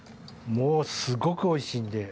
もうすごくおいしいんで。